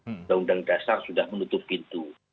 undang undang dasar sudah menutup pintu